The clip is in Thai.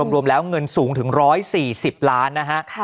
รวมแล้วเงินสูงถึง๑๔๐ล้านนะฮะ